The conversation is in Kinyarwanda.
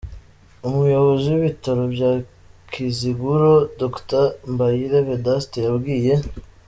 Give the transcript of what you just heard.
Umuyobozi w’ibitaro bya Kiziguro Dr. Mbayire Vedaste, yabwiye